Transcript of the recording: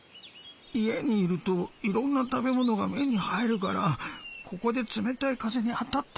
いえにいるといろんなたべものがめにはいるからここでつめたいかぜにあたってたんだ。